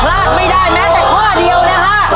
พลาดไม่ได้แม้แต่ข้อเดียวนะฮะ